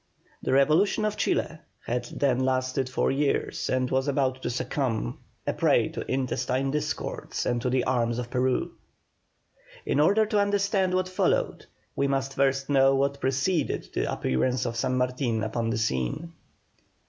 The revolution in Chile had then lasted four years and was about to succumb, a prey to intestine discords and to the arms of Peru. In order to understand what followed we must first know what preceded the appearance of San Martin upon the scene.